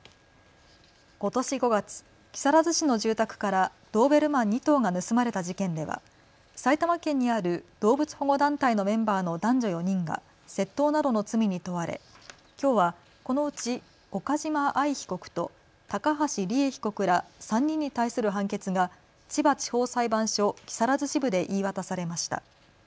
ことし５月、木更津市の住宅からドーベルマン２頭が盗まれた事件では埼玉県にある動物保護団体のメンバーの男女４人が窃盗などの罪に問われ、きょうはこのうち岡島愛被告と高橋里衣被告ら３人に対する判決が千葉地方裁判所木更津支部で言い渡されました。